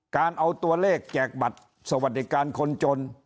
การเอาตัวเลขแจกบัตรสวัสดิการคนจน